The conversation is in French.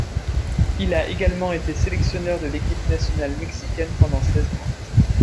Il a également été sélectionneur de l'équipe nationale mexicaine pendant seize mois.